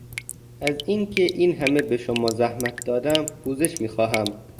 از اینکه این همه به شما زحمت دادم پوزش میخواهم.